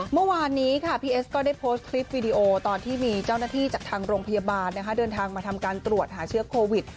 เมื่อวานนี้ค่ะพี่เอสก็ได้โพสต์คลิปวิดีโอตอนที่มีเจ้าหน้าที่จากทางโรงพยาบาลเดินทางมาทำการตรวจหาเชื้อโควิด